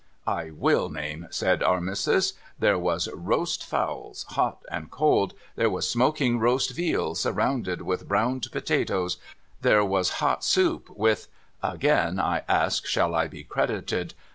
' I uull name,' said Our Missis. ' There was roast fowls, hot and cold ; there was smoking roast veal surrounded with browned potatoes ; there was hot soup with (again I ask shall I be credited